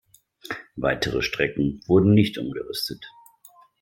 Weitere Strecken wurden nicht umgerüstet.